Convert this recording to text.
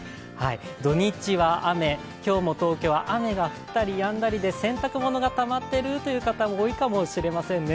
土日は雨、今日も東京は雨が降ったりやんだりで洗濯物がたまってるという方も多いかもしれませんね。